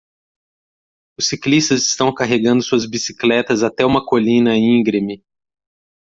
Os ciclistas estão carregando suas bicicletas até uma colina íngreme.